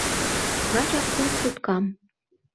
— Лачак кум суткам...